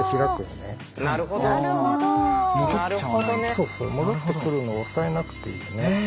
そうそう戻ってくるのを押さえなくていい。